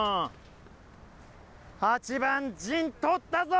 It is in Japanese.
８番陣取ったぞ！